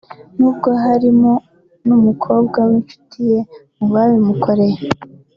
n’ubwo harimo n’umukobwa w’inshuti ye mu babimukoreye